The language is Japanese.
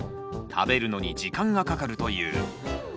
食べるのに時間がかかるという。